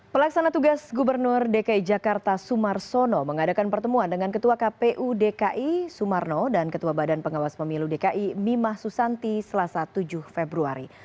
pelaksana tugas gubernur dki jakarta sumarsono mengadakan pertemuan dengan ketua kpu dki sumarno dan ketua badan pengawas pemilu dki mimah susanti selasa tujuh februari